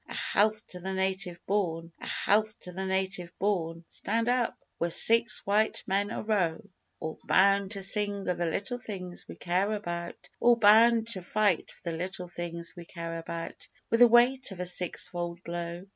A health to the Native born! _A health to the Native born, (Stand up!) We're six white men arow, All bound to sing o' the little things we care about, All bound to fight for the little things we care about With the weight of a six fold blow!